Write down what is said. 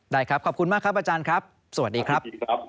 ได้ครับขอบคุณมากครับอาจารย์ครับสวัสดีครับ